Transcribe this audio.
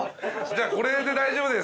じゃあこれで大丈夫です。